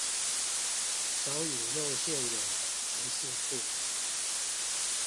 少引用現有的函式庫